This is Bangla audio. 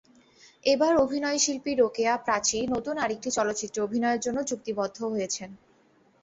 এবার অভিনয়শিল্পী রোকেয়া প্রাচী নতুন আরেকটি চলচ্চিত্রে অভিনয়ের জন্য চুক্তিবদ্ধ হয়েছেন।